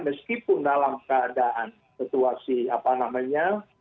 meskipun dalam keadaan situasi apa namanya